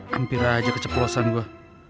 hampir aja keceprosan gua